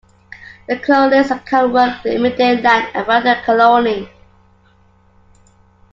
The colonist can work the immediate land around the colony.